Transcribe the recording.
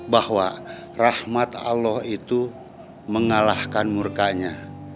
bahwa rahmat allah itu mengalahkan murkanya